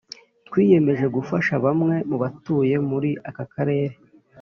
Twiyemeje gufasha bamwe mubatuye muri aka karere